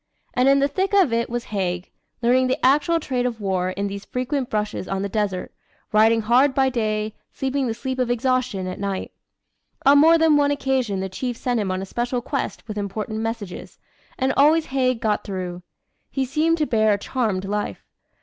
And in the thick of it was Haig learning the actual trade of war in these frequent brushes on the desert riding hard by day, sleeping the sleep of exhaustion at night. On more than one occasion the Chief sent him on a special quest with important messages, and always Haig got through. He seemed to bear a charmed life.